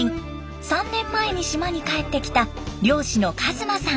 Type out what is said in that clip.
３年前に島に帰ってきた漁師の一馬さん。